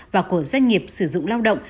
và của doanh nghiệp sử dụng lao động